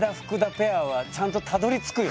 ペアはちゃんとたどりつくよね。